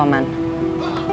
aku mau berhenti